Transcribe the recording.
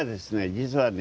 実はね